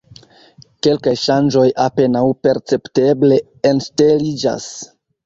Kelkaj ŝanĝoj apenaŭ percepteble enŝteliĝas.